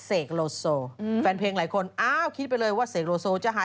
เสกโลโซไปรักษาตัวอยู่นะคะ